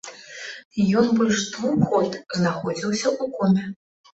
Ён больш двух год знаходзіўся ў коме.